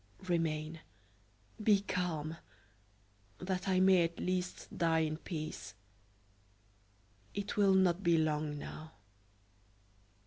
Remain; be calm, that I may at least die in peace. It will not be long now."